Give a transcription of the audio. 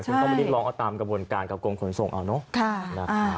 คุณต้องไปเรียกร้องเอาตามกระบวนการกับกรมขนส่งเอาเนอะ